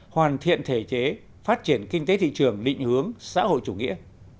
hoàn thiện thể chế phát triển kinh tế thị trường định hướng xã hội chủ nghĩa